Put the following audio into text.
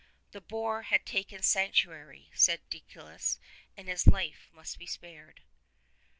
The boar had taken sanctuary, said Deicolus, and its life must be spared.